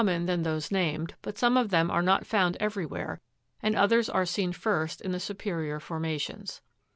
mon than those named, but some of them are not found every where, and others are seen first in the superior formations.